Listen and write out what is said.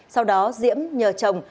sau đó diễm nhờ chồng